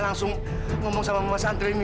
nggak ada dewi